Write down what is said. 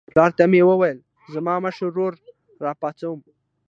پلار ته مې وویل زه مشر ورور راپاڅوم.